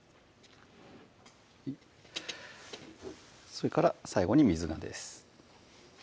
それから最後に水菜です